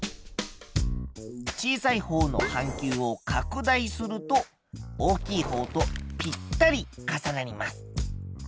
小さいほうの半球を拡大すると大きいほうとぴったり重なります。